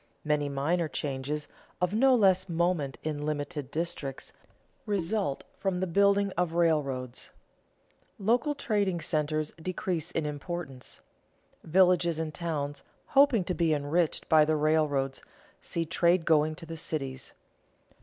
Many minor changes, of no less moment in limited districts, result from the building of railroads. Local trading centers decrease in importance. Villages and towns, hoping to be enriched by the railroads, see trade going to the cities.